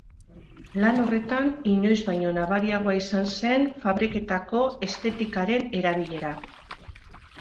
Lan horretan, inoiz baino nabariagoa izan zen fabriketako estetikaren erabilera.